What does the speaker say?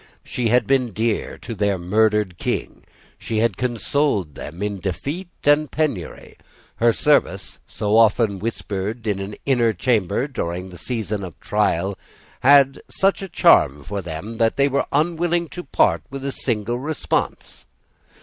She had been dear to their murdered King. She had consoled them in defeat and penury. Her service, so often whispered in an inner chamber during the season of trial, had such a charm for them that they were unwilling to part with a single response.